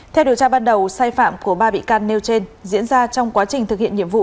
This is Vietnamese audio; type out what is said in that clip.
theo điều tra ban đầu sai phạm của ba bị can nêu trên diễn ra trong quá trình thực hiện nhiệm vụ